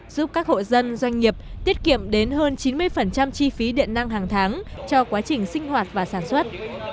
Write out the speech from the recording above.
giúp các hộ dân doanh nghiệp tiết kiệm đến hơn chín mươi chi phí điện năng hàng tháng cho quá trình sinh hoạt và sản xuất